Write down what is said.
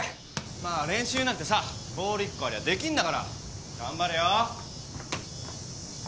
まあ練習なんてさボール１個ありゃできんだから頑張れよ！